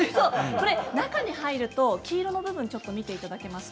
中に入ると黄色の部分を見てください。